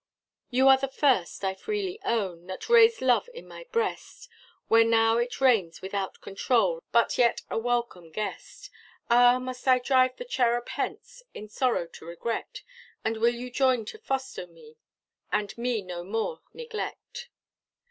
"You are the first, I freely own, That raised love in my breast, Where now it reigns without control, But yet a welcome guest. Ah! must I drive the cherub hence, In sorrow to regret, And will you join to foster me, And me no more neglect."